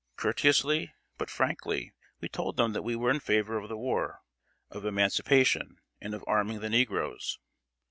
Courteously, but frankly, we told them that we were in favor of the war, of emancipation, and of arming the negroes.